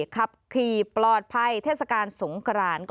ขับขี่ปลอดภัยเทศกาลสงกราน